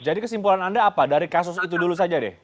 jadi kesimpulan anda apa dari kasus itu dulu saja deh